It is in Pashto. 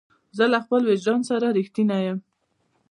زه له خپل وجدان سره رښتینی یم.